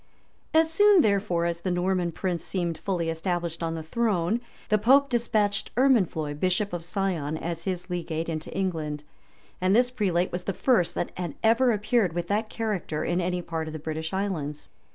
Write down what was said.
As soon, therefore, as the Norman prince seemed fully established on the throne, the pope despatched Ermenfloy, bishop of Sion, as his legate into England; and this prelate was the first that had ever appeared with that character in any part of the British islands.